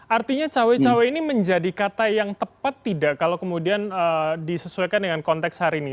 artinya cawe cawe ini menjadi kata yang tepat tidak kalau kemudian disesuaikan dengan konteks hari ini